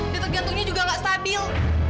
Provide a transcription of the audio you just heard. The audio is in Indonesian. detik gantungnya juga gak stabil